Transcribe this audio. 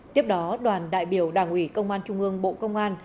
tiếp đó đoàn đại biểu đảng ủy công an trung ương bộ công an